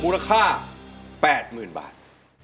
มูลค่า๘๐๐๐๐บาท